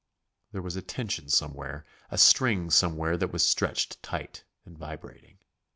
There was a tension somewhere, a string somewhere that was stretched tight and vibrating.